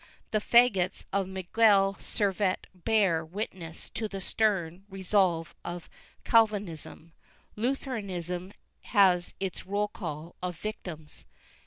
The faggots of Miguel Servet bear witness to the stern resolve of Calvinism. Lutheran ism has its roll call of victims.